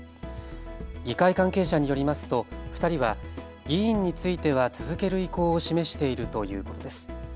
議会関係者によりますと２人は議員については続ける意向を示しているということです。